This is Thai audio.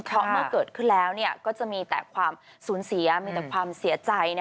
เพราะเมื่อเกิดขึ้นแล้วก็จะมีแต่ความสูญเสียมีแต่ความเสียใจ